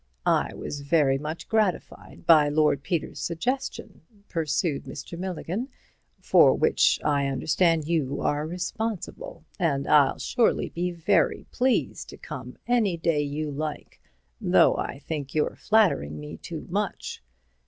"I was very much gratified by Lord Peter's suggestion," pursued Mr. Milligan, "for which I understand you are responsible, and I'll surely be very pleased to come any day you like, though I think you're flattering me too much."